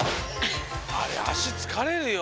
あれあしつかれるよ！